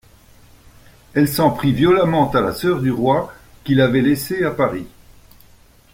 Elle s'en prit violemment à la soeur du roi, qu'il avait laissée à Paris.